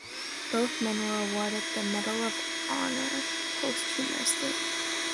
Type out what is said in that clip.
Both men were awarded the Medal of Honor, posthumously.